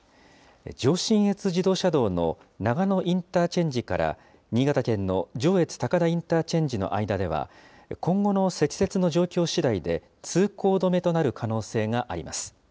上信越自動車道の長野インターチェンジから新潟県の上越高田インターチェンジの間では、今後の積雪の状況しだいで通行止めとなる可能性があります。